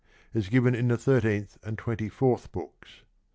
is given in the thirteenth and twenty fourth books.